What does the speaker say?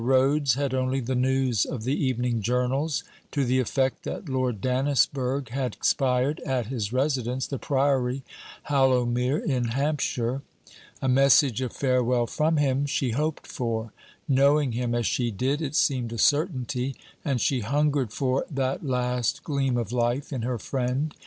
Rhodes had only the news of the evening journals, to the effect that Lord Dannisburgh had expired at his residence, the Priory, Hallowmere, in Hampshire. A message of farewell from him, she hoped for: knowing him as she did, it seemed a certainty; and she hungered for that last gleam of life in her friend.